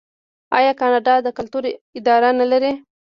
آیا کاناډا د کلتور اداره نلري؟